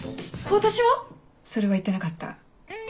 私は？それは言ってなかった。